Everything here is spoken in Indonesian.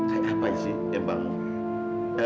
eh apa sih tembangmu